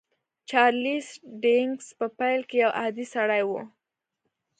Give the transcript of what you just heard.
چارليس ډيکنز په پيل کې يو عادي سړی و.